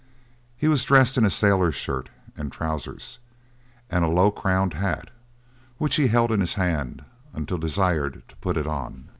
He was dressed in a sailor's shirt and trousers, and a low crowned hat, which he held in his hand until desired to put it on.